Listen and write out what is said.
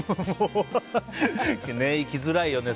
生きづらいよね